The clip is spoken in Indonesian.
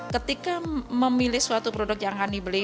ketika memilih suatu produk yang akan dibeli